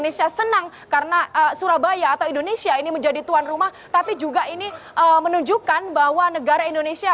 passive sabor lu prashutra o educilla hai semua yang ada di stadion doitel lanjutin dan selamat menulis